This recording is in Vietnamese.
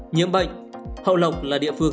nhiễm bệnh hậu lộc là địa phương